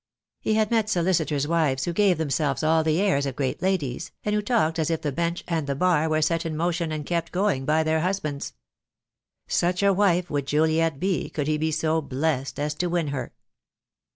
He had met solicitors' wives who gave themselves all the airs of great ladies, and who talked as if the THE DAY WILL COME. 2IQ. Bench and the Bar were set in motion and kept going by their husbands. Such a wife would Juliet be could he be so blessed as to win her.